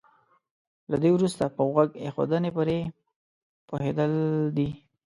له دې وروسته په غوږ ايښودنې پرې پوهېدل دي.